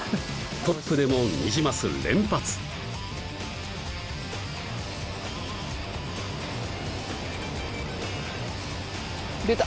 トップでもニジマス連発出た！